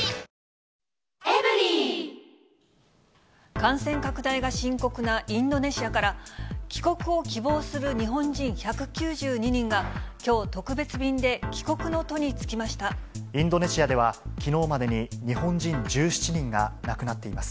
感染拡大が深刻なインドネシアから、帰国を希望する日本人１９２人が、きょう、特別便で帰国の途に就きインドネシアでは、きのうまでに日本人１７人が亡くなっています。